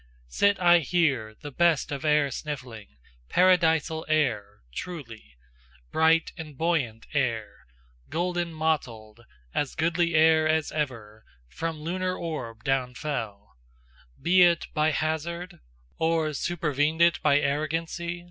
Sit I here the best of air sniffling, Paradisal air, truly, Bright and buoyant air, golden mottled, As goodly air as ever From lunar orb downfell Be it by hazard, Or supervened it by arrogancy?